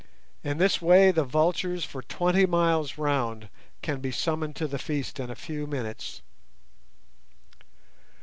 In this way the vultures for twenty miles round can be summoned to the feast in a few minutes.